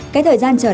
cái thời gian chờ đợi